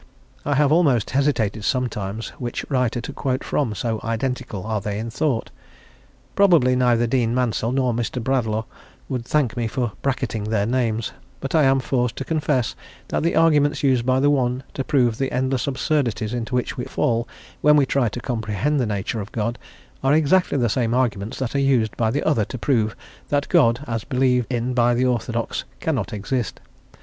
I have almost hesitated sometimes which writer to quote from, so identical are they in thought. Probably neither Dean Mansel nor Mr. Bradlaugh would thank me for bracketing their names; but I am forced to confess that the arguments used by the one to prove the endless absurdities into which we fall when we try to comprehend the nature of God, are exactly the same arguments that are used by the other to prove that God, as believed in by the orthodox, cannot exist.